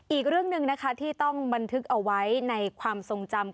อีกเรื่องหนึ่งนะคะที่ต้องบันทึกเอาไว้ในความทรงจำ